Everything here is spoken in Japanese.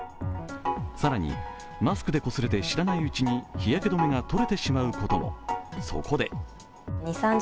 更に、マスクでこすれて知らないうちに日焼け止めが取れてしまうことも。